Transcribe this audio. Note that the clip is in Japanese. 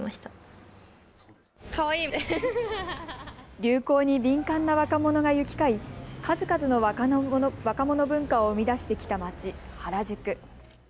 流行に敏感な若者が行き交い数々の若者文化を生み出してきた街、原宿。